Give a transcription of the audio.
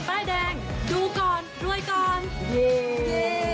ไฟติ้งครับผม